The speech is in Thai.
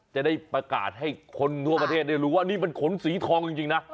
จะได้ประกาศให้คนทั่วประเทศได้รู้ว่านี่มันขนสีทองจริงนะ